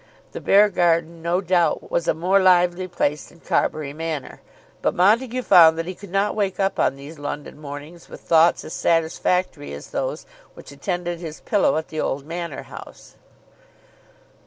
The Beargarden, no doubt, was a more lively place than Carbury Manor, but Montague found that he could not wake up on these London mornings with thoughts as satisfactory as those which attended his pillow at the old Manor House.